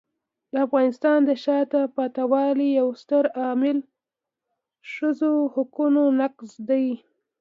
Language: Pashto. د افغانستان د شاته پاتې والي یو ستر عامل ښځو حقونو نقض دی.